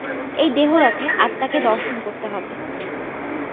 এই দেহরথে আত্মাকে দর্শন করতে হবে।